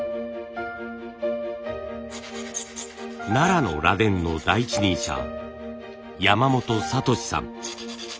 奈良の螺鈿の第一人者山本哲さん。